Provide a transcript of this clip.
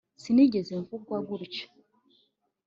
Sinigeze mvugwa gutya